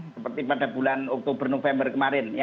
seperti pada bulan oktober november kemarin